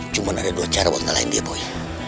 cuman ada dua cara buat nyalain dia boy